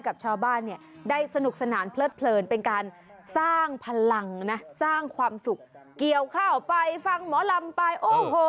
กับชาวบ้านเนี่ยได้สนุกสนานเพลิดเพลินเป็นการสร้างพลังนะสร้างความสุขเกี่ยวข้าวไปฟังหมอลำไปโอ้โห